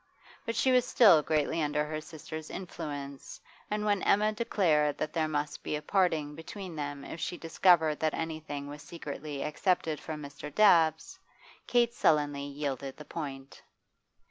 But she was still greatly under her sister's influence, and when Emma declared that there must be a parting between them if she discovered that anything was secretly accepted from Mr. Dabbs, Kate sullenly yielded the point.